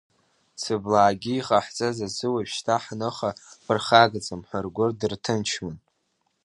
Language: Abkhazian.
Цыблаагьы иҟаҳҵаз азы уажәшьҭа ҳныха ҳԥырхагаӡам ҳәа ргәы дырҭынчуан.